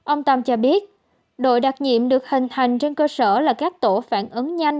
ông tam cho biết đội đặc nhiệm được hình thành trên cơ sở là các tổ phản ứng nhanh